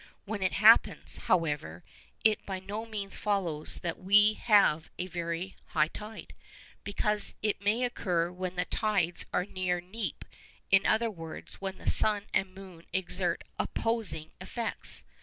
When it happens, however, it by no means follows that we have a very high tide; because it may occur when the tides are near 'neap'; in other words, when the sun and moon exert opposing effects.